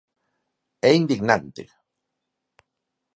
¡É indignante!